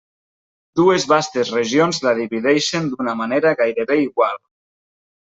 Dues vastes regions la divideixen d'una manera gairebé igual.